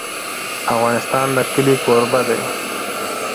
افغانستان د کلي کوربه دی.